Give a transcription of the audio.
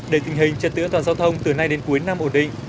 để tình hình trật tự an toàn giao thông từ nay đến cuối năm ổn định